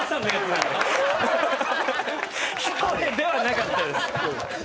一重ではなかったです。